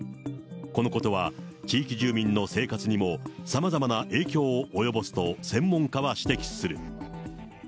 このことは地域住民の生活にも、さまざまな影響を及ぼすと専門家は指摘する。